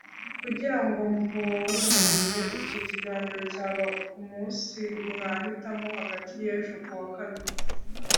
Kugira ngo mborohereze, icyo kiganiro cyaba ku munsi mwahitamo hagati y'ejo kuwa kane